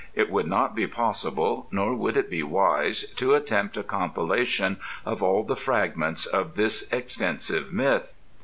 It would not be possible, nor would it be wise, to attempt a compilation of all the fragments of this extensive myth.